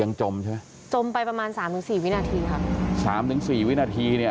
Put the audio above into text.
ยังจมใช่ไหมจมไปประมาณ๓๔วินาทีค่ะ๓๔วินาทีเนี่ย